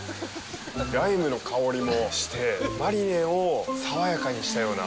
ライムの香りもしてマリネを爽やかにしたような。